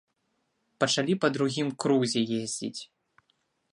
Пачалі па другім крузе ездзіць.